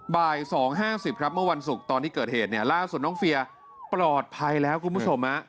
บ่าย๒๕๐ครับเมื่อวันศุกร์ตอนที่เกิดเหตุเนี่ยล่าสุดน้องเฟียร์ปลอดภัยแล้วคุณผู้ชม